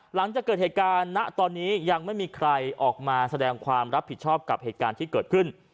หลังจากเกิดเหตุการณ์ณตอนนี้ยังไม่มีใครออกมาแสดงความรับผิดชอบกับเหตุการณ์ที่เกิดขึ้น